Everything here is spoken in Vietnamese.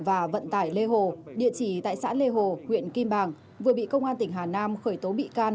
và vận tải lê hồ địa chỉ tại xã lê hồ huyện kim bàng vừa bị công an tỉnh hà nam khởi tố bị can